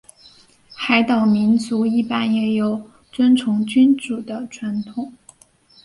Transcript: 海岛民族一般也有尊崇君主的传统。